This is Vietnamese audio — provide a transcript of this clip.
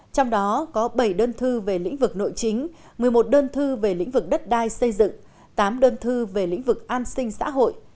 trong đó có bảy đơn thư về lĩnh vực nội chính một mươi một đơn thư về lĩnh vực đất đai xây dựng tám đơn thư về lĩnh vực an sinh xã hội